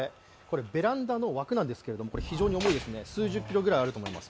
ベランダの枠なんですけど、非常に重いですね、数十キロあると思います。